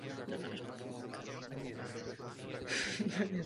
Bylo zde zmíněno téma vlastních zdrojů.